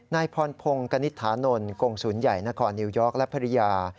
นายพรพงศ์กณิตถานนท์กงศูนย์ใหญ่นครนิวยอร์กและภรรยา